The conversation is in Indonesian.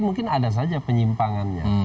mungkin ada saja penyimpangannya